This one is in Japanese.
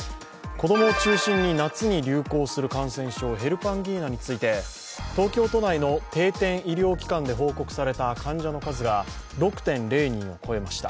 子供を中心に夏に流行する感染症ヘルパンギーナについて東京都内の定点医療機関で報告された患者の数が６．０人を超えました